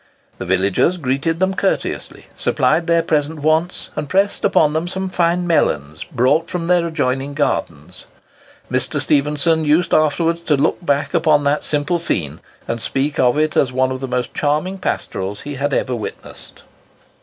The villagers greeted them courteously, supplied their present wants, and pressed upon them some fine melons, brought from their adjoining gardens. Mr. Stephenson used afterwards to look back upon that simple scene, and speak of it as one of the most charming pastorals he had ever witnessed.